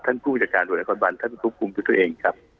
ท่านผู้จัดการตรงนครบาลท่านควบคุมตัวเองครับ